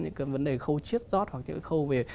những cái vấn đề khâu chiết giót hoặc những cái khâu về